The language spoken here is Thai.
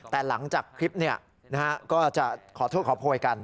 แต่หลังจากคลิปก็จะขอโทษขอโพยกัน